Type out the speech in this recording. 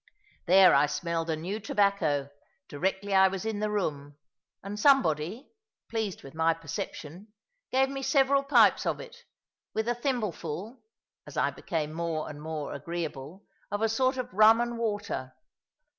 There I smelled a new tobacco, directly I was in the room; and somebody (pleased with my perception) gave me several pipes of it, with a thimbleful as I became more and more agreeable of a sort of rum and water.